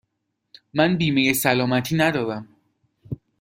من بیمه سلامتی ندارم.